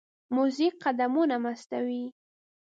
موزیک قدمونه مستوي.